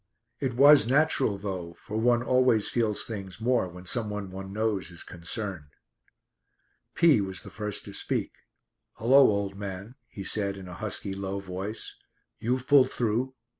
It was natural though, for one always feels things more when some one one knows is concerned. P was the first to speak. "Hullo, old man," he said in a husky, low voice. "You've pulled through?"